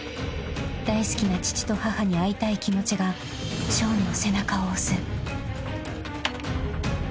［大好きな父と母に会いたい気持ちがショーンの背中を押す］